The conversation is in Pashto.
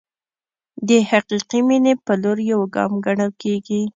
د حقیقي مینې په لور یو ګام ګڼل کېږي.